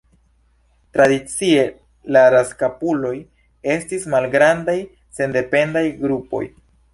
Tradicie, la razkapuloj estis malgrandaj, sendependaj grupoj.